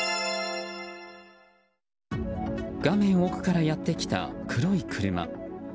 画面奥からやってきた黒い車。